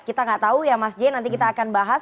kita nggak tahu ya mas j nanti kita akan bahas